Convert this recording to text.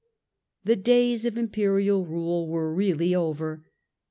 The days of Imperial rule were really over.